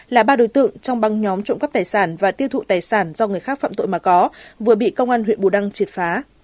là ba đối tượng trong băng nhóm trộm cắp tài sản và tiêu thụ tài sản do người khác phạm tội mà có vừa bị công an huyện bù đăng triệt phá